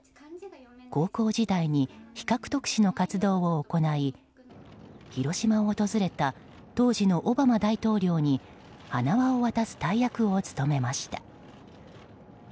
高校時代に非核特使の活動を行い広島を訪れた当時のオバマ大統領に花輪を渡す大役を務めました。